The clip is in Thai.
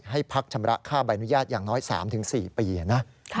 ให้พักชำระค่าบรรยายุทธิ์อย่างน้อย๓๔ปีนะ